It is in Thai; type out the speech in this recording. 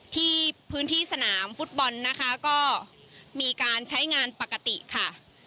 ที่พื้นที่สนามฟุตบอลนะคะก็มีการใช้งานปกติค่ะ